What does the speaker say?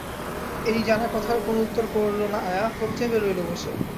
এই জানা কথার কোনো উত্তর করল না আয়া, ঠোঁট চেপে রইল বসে।